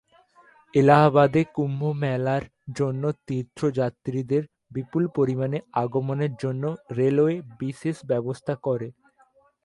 এলাহাবাদে কুম্ভ মেলার জন্য তীর্থযাত্রীদের বিপুল পরিমাণে আগমনের জন্য রেলওয়ে বিশেষ ব্যবস্থা করে।